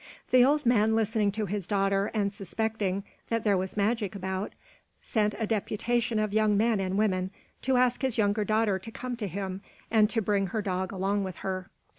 The old man listening to his daughter and suspecting that there was magic about, sent a deputation of young men and women to ask his younger daughter to come to him and to bring her dog along with her.